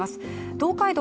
東海道